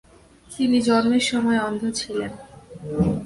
তিনি জন্মের সময় অন্ধ ছিলেন।